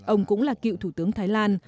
ông cũng là cựu thủ tướng thái lan